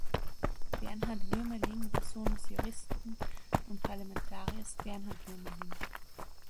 Bernhard Wuermeling war Sohn des Juristen und Parlamentariers Bernhard Wuermeling.